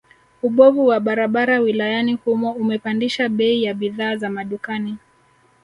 Ubovu wa barabara wilayani humo umepandisha bei ya bidhaa za madukani